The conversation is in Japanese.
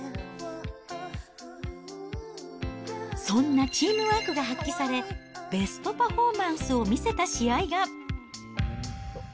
そんなチームワークが発揮され、ベストパフォーマンスを見せた試合が。